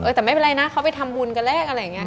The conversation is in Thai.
เออแต่ไม่เป็นไรนะเขาไปทำบุญกันแเลย